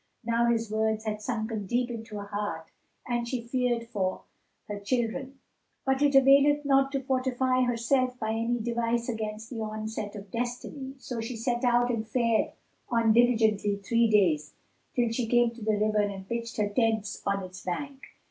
Now his words had sunken deep into her heart and she feared for her children; but it availeth not to fortify herself by any device against the onset of Destiny. So she set out and fared on diligently three days, till she came to the river and pitched her tents on its bank.